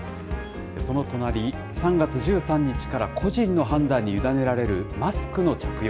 その隣、３月１３日から個人の判断に委ねられるマスクの着用。